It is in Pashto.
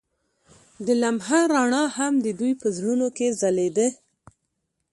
د لمحه رڼا هم د دوی په زړونو کې ځلېده.